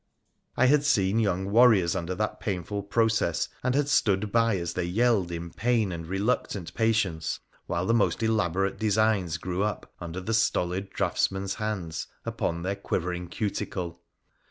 I had seen young warriors under that painful process, and had stood by as they yelled in pain and reluctant patience while the most elaborate designs grew up, under the ptolid draughtsman's hands, upon their quivering cuticle.